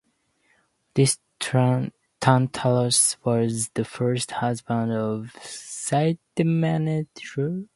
This Tantalus was the first husband of Clytemnestra.